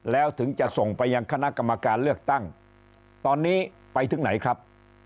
แล้วถึงจะส่งไปยังคณะกรรมการเลือกตั้งตอนนี้ไปถึงไหนครับ